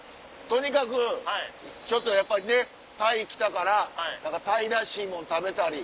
とにかくちょっとやっぱりねタイ来たから何かタイらしいもの食べたり。